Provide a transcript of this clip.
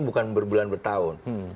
bukan berbulan bertahun